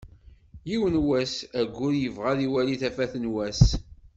Yiwen n wass aggur yebɣa ad iwali tafat n wass.